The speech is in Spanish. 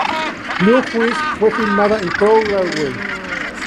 Blue Juice fue filmada en Cornwall.